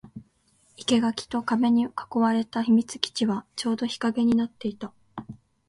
生垣と壁に囲われた秘密基地はちょうど日陰になっていた